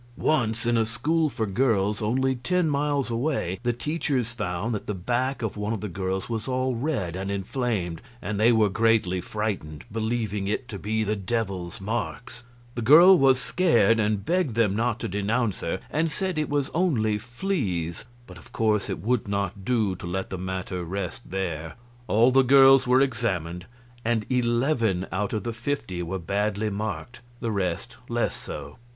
Once, in a school for girls only ten miles away, the teachers found that the back of one of the girls was all red and inflamed, and they were greatly frightened, believing it to be the Devil's marks. The girl was scared, and begged them not to denounce her, and said it was only fleas; but of course it would not do to let the matter rest there. All the girls were examined, and eleven out of the fifty were badly marked, the rest less so.